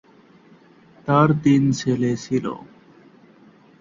তাঁর তিন ছেলে ছিল।